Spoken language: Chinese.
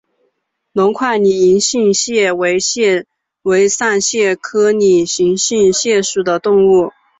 隆块拟银杏蟹为扇蟹科拟银杏蟹属的动物。